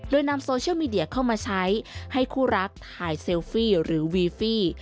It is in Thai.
โดยนำโซเชียลมีเดียเข้ามาใช้ให้คู่รักถ่ายเซลฟี่หรือวีฟี่